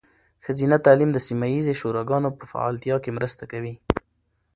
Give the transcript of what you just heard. ښځینه تعلیم د سیمه ایزې شوراګانو په فعالتیا کې مرسته کوي.